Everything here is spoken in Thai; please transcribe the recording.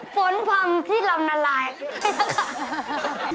ฝนพังที่ลำนาลายพระเจ้าค่ะ